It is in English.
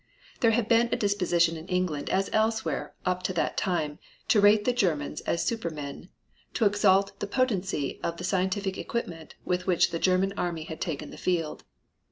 There had been a disposition in England as elsewhere up to that time to rate the Germans as supermen, to exalt the potency of the scientific equipment with which the German army had taken the field.